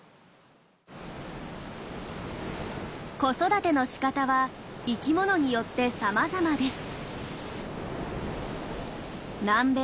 子育てのしかたは生きものによってさまざまです。